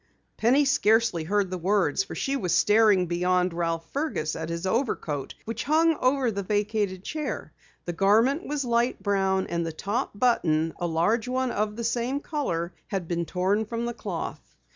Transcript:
Penny scarcely heard the words for she was staring beyond Ralph Fergus at his overcoat which hung over the vacated chair. The garment was light brown and the top button, a large one of the same color, had been torn from the cloth.